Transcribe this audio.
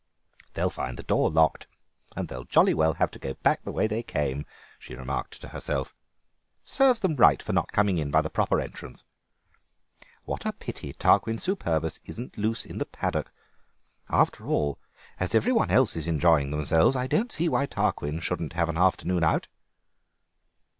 "They'll find the door locked, and they'll jolly well have to go back the way they came," she remarked to herself. "Serves them right for not coming in by the proper entrance. What a pity Tarquin Superbus isn't loose in the paddock. After all, as every one else is enjoying themselves, I don't see why Tarquin shouldn't have an afternoon out."